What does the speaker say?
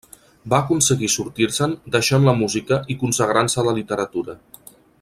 Va aconseguir sortir-se'n deixant la música i consagrant-se a la literatura.